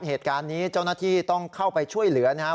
เหตุการณ์นี้เจ้าหน้าที่ต้องเข้าไปช่วยเหลือนะครับ